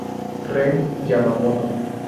Ren Yamamoto